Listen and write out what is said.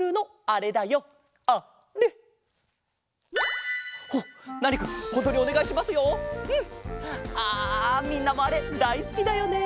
ああみんなもあれだいすきだよね？